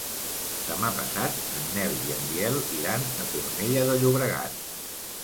Demà passat en Nel i en Biel iran a Cornellà de Llobregat.